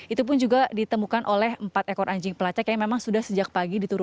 itu pun juga ditemukan oleh empat ekor anjing pelacak yang memang sudah sejak pagi diturunkan